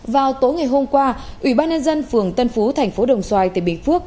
vào tối ngày hôm qua ủy ban nhân dân phường tân phú tp đồng xoài tp binh phước